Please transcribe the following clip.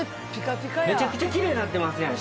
めちゃくちゃきれいになってますやん。